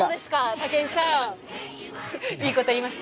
武井さんいいこと言いました？